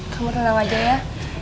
kamu tenang aja ya